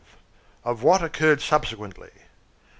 OF WHAT OCCURRED SUBSEQUENTLY.